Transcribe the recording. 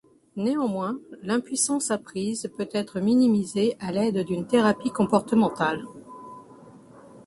Néanmoins, l'impuissance apprise peut être minimisée à l'aide d'une thérapie comportementale.